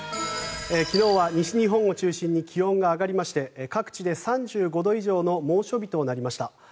昨日は西日本を中心に気温が上がりまして各地で３５度以上の猛暑日となりました。